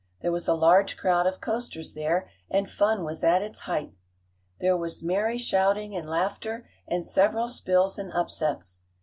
There was a large crowd of coasters there, and fun was at its height. There was merry shouting and laughter, and several spills and upsets.